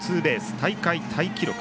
大会タイ記録。